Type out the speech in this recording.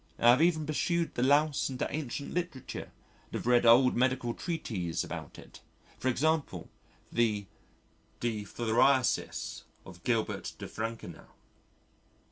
I have even pursued the Louse into ancient literature and have read old medical treatises about it, as, for example, the De Phthiriasi of Gilbert de Frankenau.